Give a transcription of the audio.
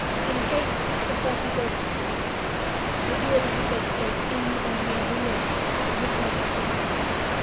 In case Sir Percy goes to France... the duel is to take place in or near Boulogne... this much I do know...